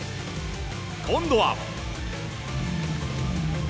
今度は。